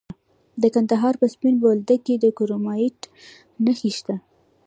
د کندهار په سپین بولدک کې د کرومایټ نښې شته.